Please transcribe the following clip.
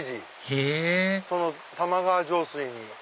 へぇ玉川上水に。